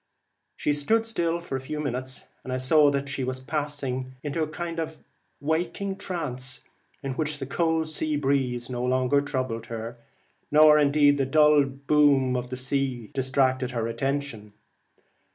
She stood still for a few minutes, and I saw that she was passing into a kind of waking trance, in which the cold sea breeze no longer troubled her, nor the dull boom of the sea distracted her attention.